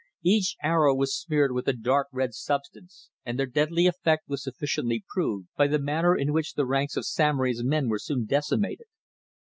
Each arrow was smeared with a dark red substance, and their deadly effect was sufficiently proved by the manner in which the ranks of Samory's men were soon decimated.